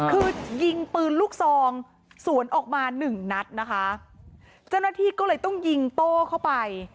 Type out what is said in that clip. คือยิงปืนลูกซองสวนออกมาหนึ่งนัดนะคะเจ้าหน้าที่ก็เลยต้องยิงโต้เข้าไป